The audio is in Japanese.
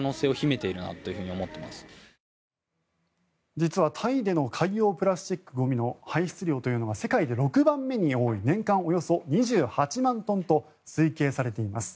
実は、タイでの海洋プラスチックゴミの排出量というのは世界で６番目に多い年間およそ２８万トンと推計されています。